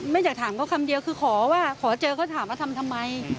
อยากถามเขาคำเดียวคือขอว่าขอเจอเขาถามว่าทำทำไม